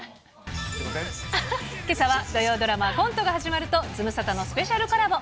けさは土曜ドラマ、コントが始まると、ズムサタのスペシャルコラボ。